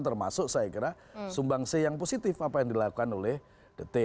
termasuk saya kira sumbang c yang positif apa yang dilakukan oleh the t